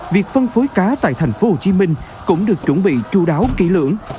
việc phân phối cá tại thành phố hồ chí minh cũng được chuẩn bị chú đáo kỹ lưỡng